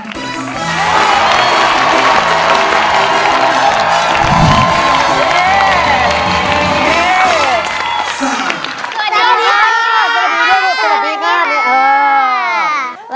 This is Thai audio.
สวัสดีค่ะ